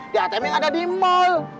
di atm yang ada di mal